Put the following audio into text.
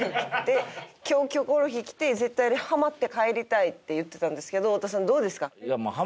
で今日『キョコロヒー』来て絶対にハマって帰りたいって言ってたんですけど太田さんどうですか？